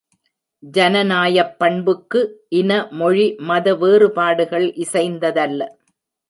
ஜனநாயப் பண்புக்கு இன, மொழி, மத வேறுபாடுகள் இசைந்ததல்ல.